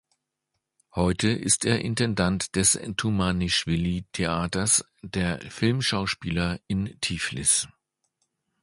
Heute ist er Intendant des Tumanischwili-Theaters der Filmschauspieler in Tiflis.